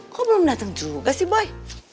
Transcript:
kok belum dateng juga sih boy